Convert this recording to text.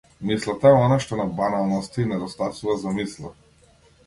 Мислата е она што на баналноста и недостасува за мисла.